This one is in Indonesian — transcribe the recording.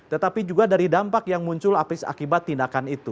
tetapi juga dari dampak yang muncul apis akibat tindakan itu